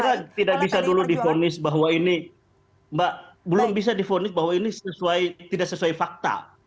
saya tidak bisa dulu difonis bahwa ini mbak belum bisa difonis bahwa ini tidak sesuai fakta